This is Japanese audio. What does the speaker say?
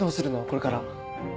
これから。